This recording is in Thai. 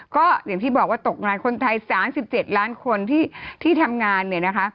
ก็อย่างที่บอกว่าตกงานคนไทย๓๗ล้านคนที่ทำงานเนี่ยนะคะ